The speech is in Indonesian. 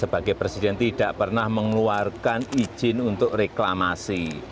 sebagai presiden tidak pernah mengeluarkan izin untuk reklamasi